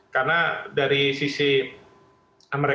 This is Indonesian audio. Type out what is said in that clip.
karena dari sisi amerika serikat